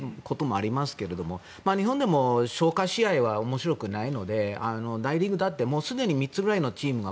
日本でも消化試合は面白くないので大リーグだってすでに３つくらいのチームが